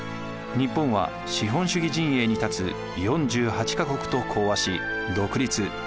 日本は資本主義陣営に立つ４８か国と講和し独立。